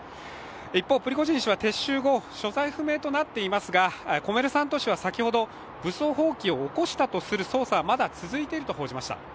一方、プリゴジン氏は撤収後、所在不明とされていますが、「コメルサント」紙は武装蜂起を起こした影響は続いているとしました。